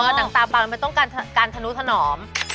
หนังตาบังไม่ต้องการทะนุถนอม